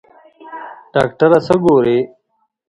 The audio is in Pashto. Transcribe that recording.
ډاکټره څه ګوري؟